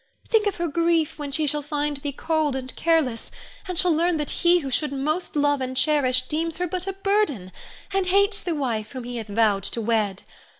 Think of her grief when she shall find thee cold and careless, and shall learn that he who should most love and cherish, deems her but a burden, and hates the wife whom he hath vowed to wed.